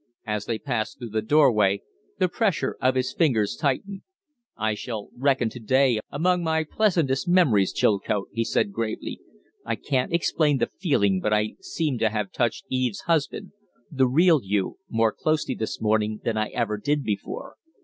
As they passed through the door way the pressure of his fingers tightened. "I shall reckon to day among my pleasantest memories, Chilcote," he said, gravely. "I can't explain the feeling, but I seem to have touched Eve's husband the real you, more closely this morning than I ever did before.